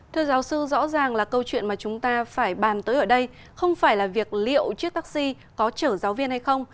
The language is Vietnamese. thưa giáo sư rõ ràng là câu chuyện mà chúng ta phải bàn tới ở đây không phải là việc liệu chiếc taxi có chở giáo viên hay không